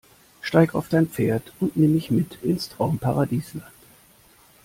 Steig auf dein Pferd und nimm mich mit ins Traumparadisland.